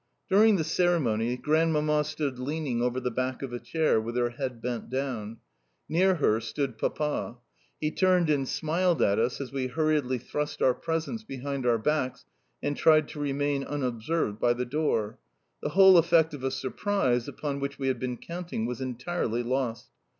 During the ceremony Grandmamma stood leaning over the back of a chair, with her head bent down. Near her stood Papa. He turned and smiled at us as we hurriedly thrust our presents behind our backs and tried to remain unobserved by the door. The whole effect of a surprise, upon which we had been counting, was entirely lost.